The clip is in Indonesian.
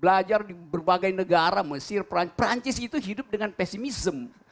belajar di berbagai negara mesir perancis itu hidup dengan pesimism